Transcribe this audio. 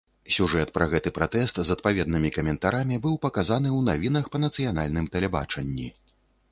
Сюжэт пра гэты пратэст з адпаведнымі каментарамі быў паказаны ў навінах па нацыянальным тэлебачанні.